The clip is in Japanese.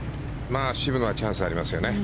渋野はチャンスがありますよね。